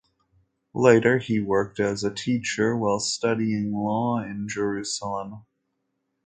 Later he worked as a teacher while studying law in Jerusalem.